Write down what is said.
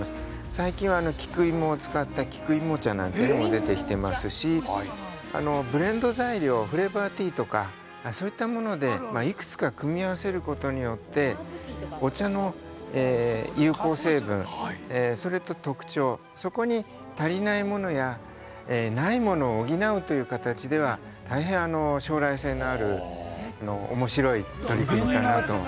最近は菊を使った菊芋茶も出てきていますしブレンド材料フレーバーティーとかそういったものでいくつか組み合わせることでお茶の有効成分と特徴そこに、足りないものやないものを補うという形では大変将来性のあるおもしろい取り組みだなと。